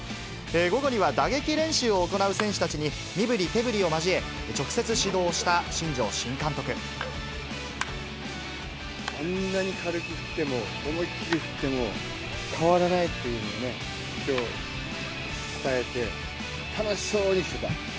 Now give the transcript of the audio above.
午後には打撃練習を行う選手たちに身ぶり手ぶりを交え、直接指導あんなに軽く振っても、思いっきり振っても変わらないっていうのをね、きょう、伝えて、楽しそうにしてた。